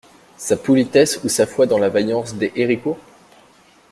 Sa politesse ou sa foi dans la vaillance des Héricourt?